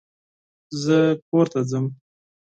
زه کور ته ځم.